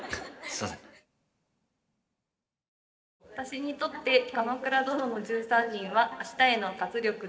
私にとって「鎌倉殿の１３人」は明日への活力でした。